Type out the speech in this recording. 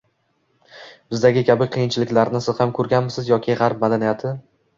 bizdagi kabi qiyinchiliklarni siz ham koʻrganmisiz yoki gʻarb madaniyati